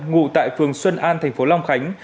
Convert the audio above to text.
ngụ tại phường xuân an thành phố long khánh